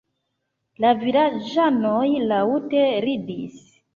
La vilaĝanoj laŭte ridis.